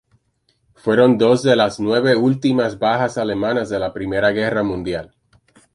Fueron dos de las nueve últimas bajas alemanas de la Primera Guerra Mundial.